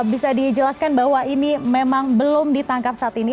bisa dijelaskan bahwa ini memang belum ditangkap saat ini